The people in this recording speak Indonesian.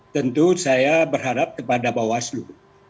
tentu saya berharap kepada bawaslu